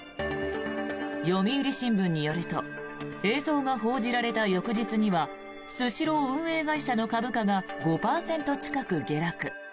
読売新聞によると映像が報じられた翌日にはスシロー運営会社の株価が５％近く下落。